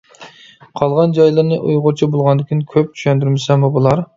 قالغان جايلىرىنى ئۇيغۇرچە بولغاندىكىن كۆپ چۈشەندۈرمىسەممۇ بولار.